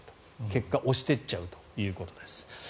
結果、押してっちゃうということです。